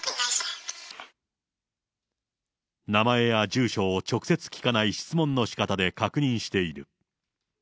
名前や住所を直接聞かない質問のしかたで確認している。